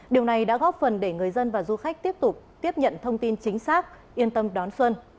điều này đã góp phần để người dân và du khách tiếp tục tiếp nhận thông tin chính xác yên tâm đón xuân